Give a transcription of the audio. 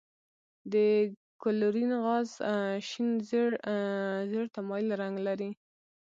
د کلورین غاز شین زیړ ته مایل رنګ لري.